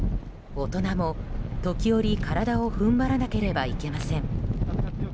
大人も時折、体を踏ん張らなければいけません。